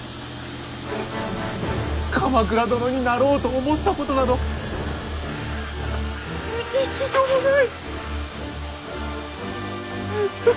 鎌倉殿になろうと思ったことなど一度もない！